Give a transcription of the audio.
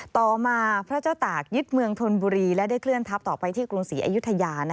ต่อมาพระเจ้าตากยึดเมืองธนบุรีและได้เคลื่อทัพต่อไปที่กรุงศรีอายุทยา